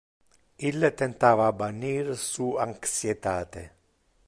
Ille tentava bannir su anxietate.